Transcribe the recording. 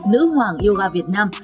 nữ hoàng yoga việt nam